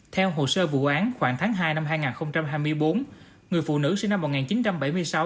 theo hồ sơ vụ án khoảng tháng hai năm hai nghìn hai mươi bốn người phụ nữ sinh năm một nghìn chín trăm bảy mươi sáu